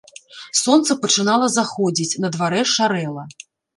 Сонца пачынала заходзіць, на дварэ шарэла.